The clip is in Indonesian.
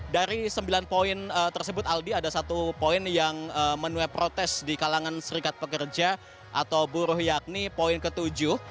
dari sembilan poin tersebut aldi ada satu poin yang menue protes di kalangan serikat pekerja atau buruh yakni poin ketujuh